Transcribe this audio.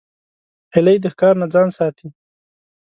هیلۍ د ښکار نه ځان ساتي